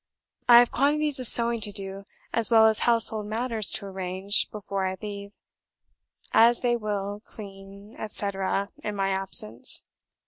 I have quantities of sewing to do, as well as household matters to arrange, before I leave, as they will clean, etc., in my absence.